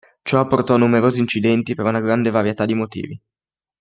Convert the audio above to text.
Ciò portò a numerosi incidenti per una grande varietà di motivi.